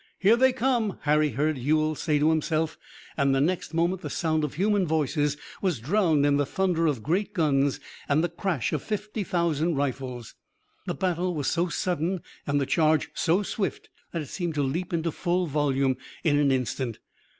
"Here they come!" Harry heard Ewell say to himself, and the next moment the sound of human voices was drowned in the thunder of great guns and the crash of fifty thousand rifles. The battle was so sudden and the charge so swift that it seemed to leap into full volume in an instant.